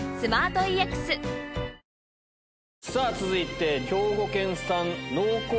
続いて。